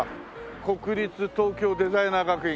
国立東京デザイナー学院が。